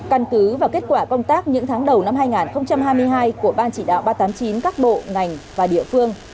căn cứ và kết quả công tác những tháng đầu năm hai nghìn hai mươi hai của ban chỉ đạo ba trăm tám mươi chín các bộ ngành và địa phương